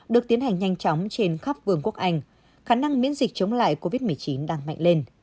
được tiến hành nhanh chóng trên khắp vườn quốc anh khả năng miễn dịch chống lại covid một mươi chín đang mạnh lên